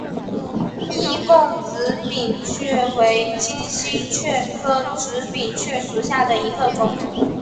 易贡紫柄蕨为金星蕨科紫柄蕨属下的一个种。